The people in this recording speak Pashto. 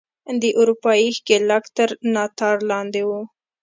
د اروپايي ښکېلاک تر ناتار لاندې وو.